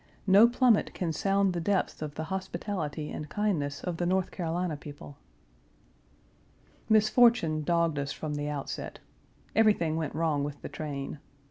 No plummet can sound the depths of the hospitality and kindness of the North Carolina people. Misfortune dogged us from the outset. Everything went wrong with the train.